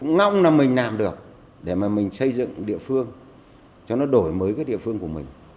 mong là mình làm được để mà mình xây dựng địa phương cho nó đổi mới cái địa phương của mình